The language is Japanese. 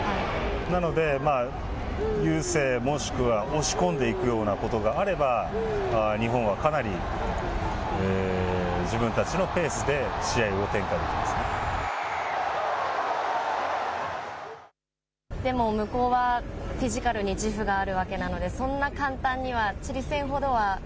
なので、優勢、もしくは押し込んでいくようなことがあれば、日本はかなり自分たちのペースで、でも向こうはフィジカルに自負があるわけなので、そんな簡単には、チリ戦ほどは。